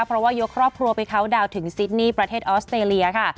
เพราะว่ายกครอบครัวไปเคาน์ดาวน์ถึงซิดนี่ประเทศออสเตรเลียค่ะ